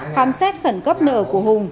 khám xét khẩn cấp nợ của hùng